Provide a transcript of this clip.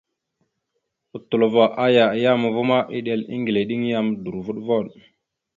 Otlovo aya a yam va ma, eɗel eŋgleɗeŋ yam dorvoɗvoɗ.